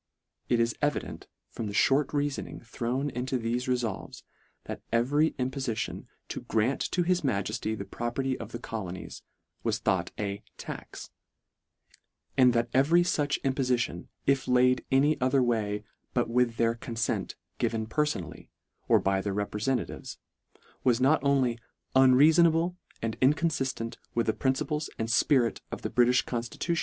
It is evident from the Short reafoning thrown into thefe refolves that every imposition "to grant to " his MajeSty the property of the colonies," was thought a "tax;" and that every fuch impofition if laid any other way " but with their confent, given perfonally, or by their reprefentatives;" was not only " un " reafonable, and inconfiStent with the prin " ciples and fpirit of the BritiSh conStitu F 42 LETTER IV.